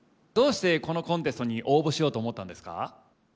どうしてこのコンテストに応募しようと思ったんですか？